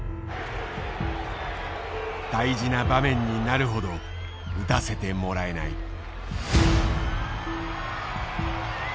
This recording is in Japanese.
大事な場面になるほど打たせてもらえない。